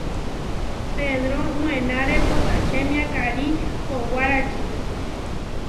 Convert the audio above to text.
Pedró moenáre potačemia karí howaráči.